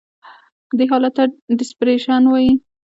دې حالت ته Depreciation وایي.